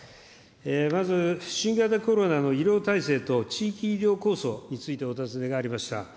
まず新型コロナの医療体制と地域医療構想についてお尋ねがありました。